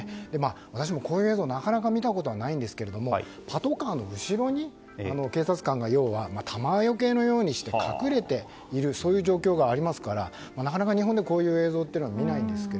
私もこういう映像はなかなか見たことがないんですがパトカーの後ろに警察官が弾除けのようにして隠れている状況がありますからなかなか日本でこういう映像は見ないんですが。